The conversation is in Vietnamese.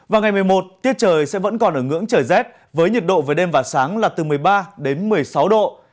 và ngày một mươi một tiết trời sẽ vẫn còn ở ngưỡng trời rét với nhiệt độ về đêm và sáng là từ một mươi ba đến một mươi sáu độ